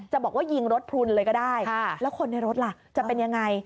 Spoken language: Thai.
บอกว่ายิงรถพลุนเลยก็ได้แล้วคนในรถล่ะจะเป็นยังไง